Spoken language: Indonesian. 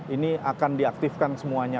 ini akan diaktifkan semuanya